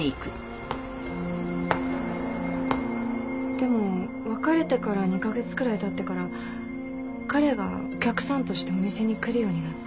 でも別れてから２カ月くらい経ってから彼がお客さんとしてお店に来るようになって。